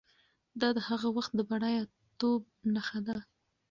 دا د هغه وخت د بډایه توب نښه وه.